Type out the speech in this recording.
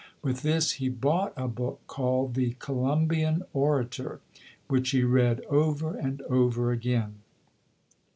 With this he bought a book called the "Columbian Orator", which he read over and over again.